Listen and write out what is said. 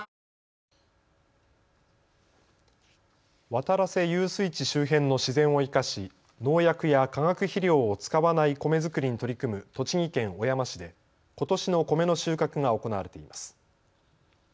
渡良瀬遊水地周辺の自然を生かし農薬や化学肥料を使わない米作りに取り組む栃木県小山市でことしの米の収穫が行われています。